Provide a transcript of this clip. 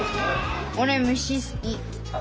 俺虫好き。